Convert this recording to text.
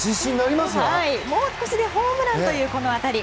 もう少しでホームランというこの当たり。